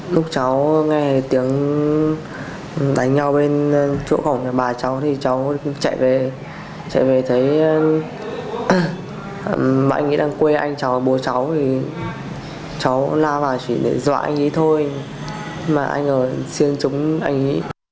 lúc cháu nghe tiếng đánh nhau bên chỗ khổng bà cháu thì cháu chạy về chạy về thấy bà anh ấy đang quê anh cháu bố cháu thì cháu la vào chỉ để dọa anh ấy thôi mà anh ấy xuyên trúng anh ấy